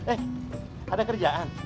eh ada kerjaan